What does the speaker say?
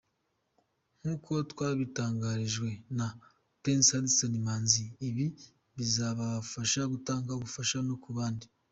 Nk’uko twabitangarijwe na Prince Hudson Manzi, ibi bizabafasha gutanga ubufasha no ku bandi.